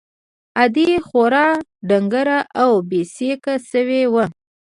ادې خورا ډنگره او بې سېکه سوې وه.